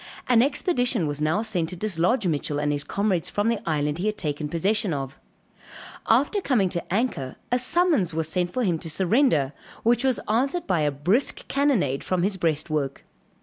An expedition was now sent to dislodge Mitchell and his comrades from the island he had taken possession of; after coming to anchor, a summons was sent for him to surrender, which was answered by a brisk cannonade from his breastwork.